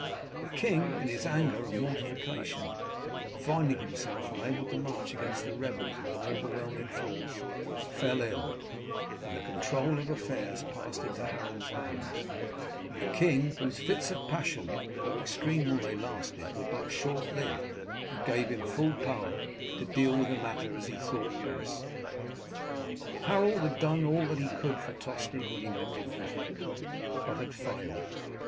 The king, in his anger and mortification at finding himself unable to march against the rebels with an overwhelming force, fell ill, and the control of affairs passed into Harold's hands; and the king, whose fits of passion, though extreme while they lasted, were but short lived gave him full power to deal with the matter as he thought best. Harold had done all that he could for Tostig when he went to Northampton, but had failed.